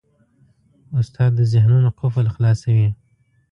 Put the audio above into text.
استاد د ذهنونو قفل خلاصوي.